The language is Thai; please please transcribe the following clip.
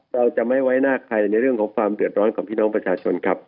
เราจะไม่ไว้หน้าใครในเรื่องของความเดือดร้อนของพี่น้องประชาชนครับ